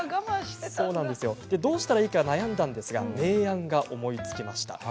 どうしたらいいか悩んだのですが名案が思いつきました。